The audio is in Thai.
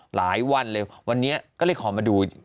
หลายวันเลยวันนี้ก็เลยขอมาดู